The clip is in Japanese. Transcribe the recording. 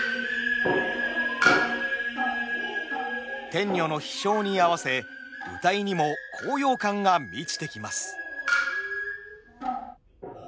天女の飛翔に合わせ謡にも高揚感が満ちてきます。